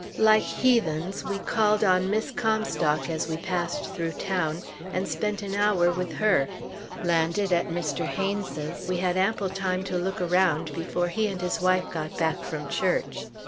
Like heathens, we called on Miss Comstock as we passed through town, and spent an hour with her. Landed at Mr. Haynes's, we had ample time to look around before he and his wife got back from church.